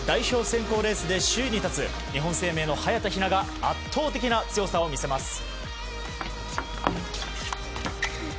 選考レースで首位に立つ日本生命の早田ひなが圧倒的な強さを見せます。